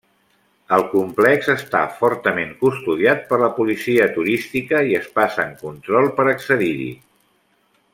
El complex està fortament custodiat per la policia turística i es passen control per accedir-hi.